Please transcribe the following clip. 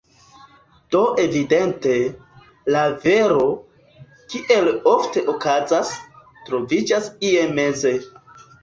Do evidente, la vero, kiel ofte okazas, troviĝas ie meze.